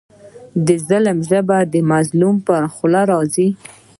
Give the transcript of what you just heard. د ظالم ژبه د مظلوم پر خوله راځي.